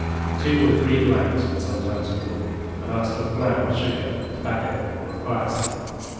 Two or three blacks would sometimes call, and ask for flour, sugar, tobacco, or a firestick.